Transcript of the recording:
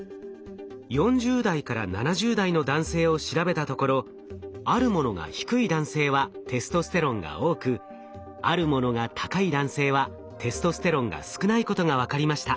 ４０代から７０代の男性を調べたところあるものが低い男性はテストステロンが多くあるものが高い男性はテストステロンが少ないことが分かりました。